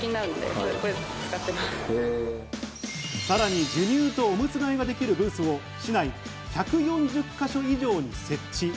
さらに授乳と、おむつ替えができるブースを市内１４０か所以上に設置。